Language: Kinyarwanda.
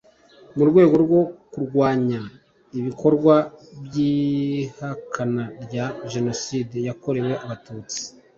mu rwego rwo kurwanya ibikorwa by ihakana rya jenoside yakorewe abatutsi